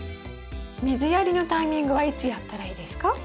水やりのタイミングはいつやったらいいですか？